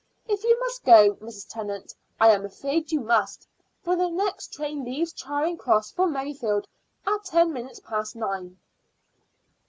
If you must go, Mrs. Tennant, I am afraid you must, for the next train leaves Charing Cross for Merrifield at ten minutes past nine."